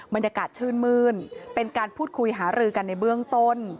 บรรยากาศชื่นมื้นเป็นการพูดคุยหารือกันในเบื้องต้น